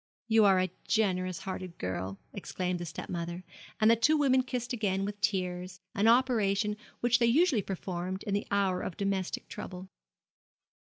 'You are a dear generous 'arted girl,' exclaimed the stepmother, and the two women kissed again with tears, an operation which they usually performed in the hour of domestic trouble.